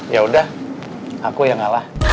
yaudah aku yang ngalah